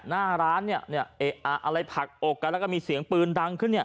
หน้าร้านเนี่ยอะไรผลักอกกันแล้วก็มีเสียงปืนดังขึ้นเนี่ย